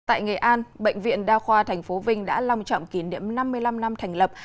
tại nghệ an bệnh viện đa khoa tp vinh đã long trọng kỷ niệm năm mươi năm năm thành lập